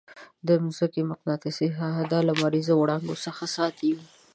د مځکې مقناطیسي ساحه دا د لمریزو وړانګو څخه ساتي.